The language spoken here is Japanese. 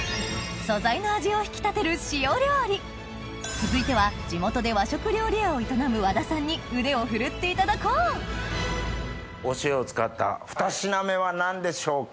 続いては地元で和食料理屋を営む和田さんに腕を振るっていただこうお塩を使ったふた品目は何でしょうか？